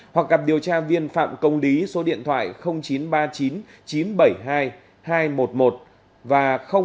hoặc gặp điều tra viên phạm công lý số điện thoại chín trăm ba mươi chín chín trăm bảy mươi hai hai trăm một mươi một và ba trăm bốn mươi bốn năm trăm hai mươi một tám trăm một mươi tám